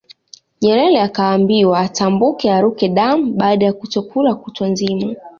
Nyerere akaambiwa atambuke aruke damu baada ya kutokula kutwa nzima